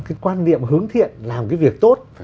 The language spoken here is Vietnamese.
cái quan niệm hướng thiện làm cái việc tốt